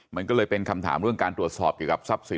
มันก็เลยเป็นคำถามเรื่องการตรวจสอบเกี่ยวกับทรัพย์สิน